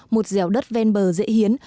một dẻo đất ven bờ dễ hiến